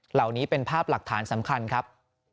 เหล่านี้เป็นภาพหลักฐานสำคัญครับ